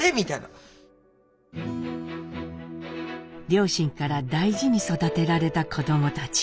両親から大事に育てられた子どもたち。